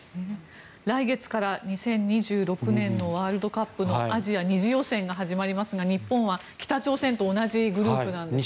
来月から２０２６年のワールドカップのアジア２次予選が始まりますが日本は北朝鮮と同じグループなんですよね。